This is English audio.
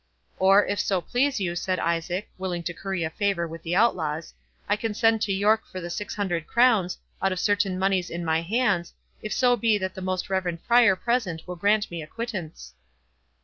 "Or, if so please you," said Isaac, willing to curry favour with the outlaws, "I can send to York for the six hundred crowns, out of certain monies in my hands, if so be that the most reverend Prior present will grant me a quittance."